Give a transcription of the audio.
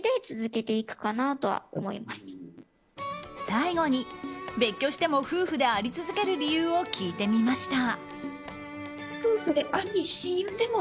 最後に、別居しても夫婦であり続ける理由を聞いてみました。